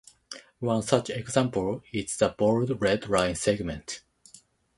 One such example is the bold red line segment.